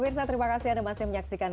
pemirsa terimakasih anda masih menyaksikan